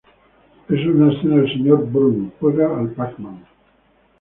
En una escena, el Sr. Burns juega al Pac-Man.